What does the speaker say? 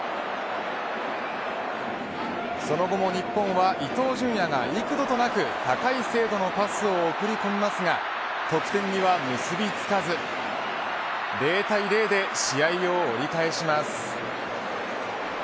その後も日本は、伊東純也が幾度となく高い精度のパスを送り込みますが得点には結びつかず０対０で試合を折り返します。